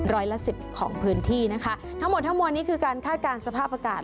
ร้อยละสิบของพื้นที่นะคะทั้งหมดทั้งมวลนี้คือการคาดการณ์สภาพอากาศ